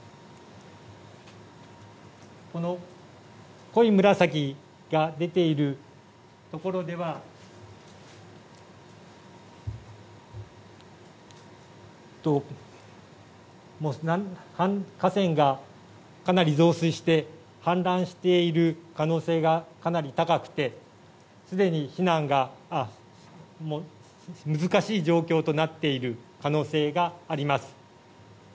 この濃い紫が出ているところでは河川がかなり増水して氾濫している可能性がかなり高くてすでに避難が難しい状況となっている可能性があります。